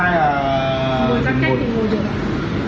ngồi ra cách thì ngồi được ạ